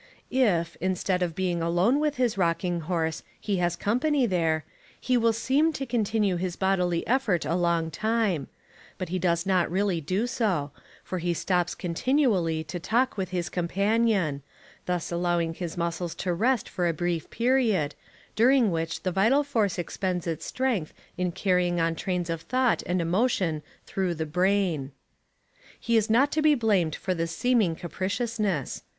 If, instead of being alone with his rocking horse, he has company there, he will seem to continue his bodily effort a long time; but he does not really do so, for he stops continually, to talk with his companion, thus allowing his muscles to rest for a brief period, during which the vital force expends its strength in carrying on trains of thought and emotion through the brain. He is not to be blamed for this seeming capriciousness.